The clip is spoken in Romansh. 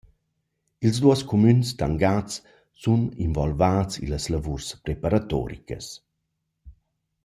Ils duos cumüns tangats sun involvats illas lavuors preparatoricas.